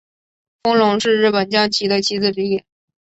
风龙是日本将棋的棋子之一。